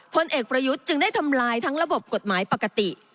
พลเอกประยุทธ์จึงได้ทำลายทั้งระบบกฎหมายปกติ